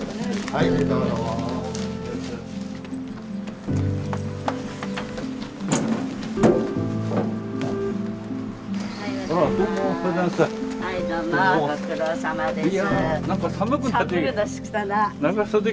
はいどうもご苦労さまです。